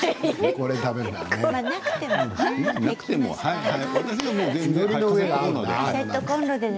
これを食べるならね。